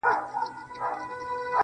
راته شله دی، وای گيتا سره خبرې وکړه~